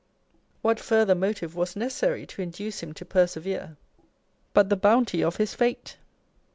What farther motive was necessary to induce him to persevere, but the bounty of his fate